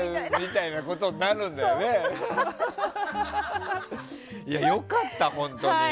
いや、よかった本当に。